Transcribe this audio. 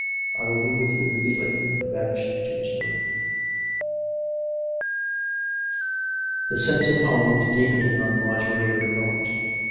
I will be with you immedi ately," and vanished into his room. The sense of home was deepening on Marjorie every moment.